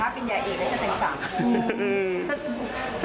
แต่ถ้าเป็นยะเอกก็จะเป็นสามผู้